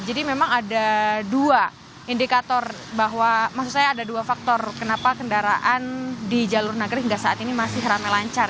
memang ada dua indikator bahwa maksud saya ada dua faktor kenapa kendaraan di jalur nagrek hingga saat ini masih ramai lancar